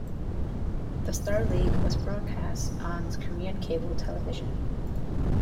The Starleague was broadcast on Korean cable television.